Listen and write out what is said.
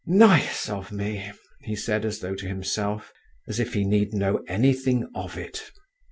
"Nice of me!" he said as though to himself, "as if he need know anything of it.